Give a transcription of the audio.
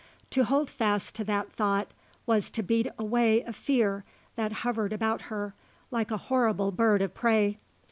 To hold fast to that thought was to beat away a fear that hovered about her, like a horrible bird of prey.